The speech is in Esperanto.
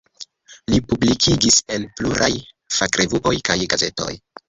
Li publikigis en pluraj fakrevuoj kaj gazetoj.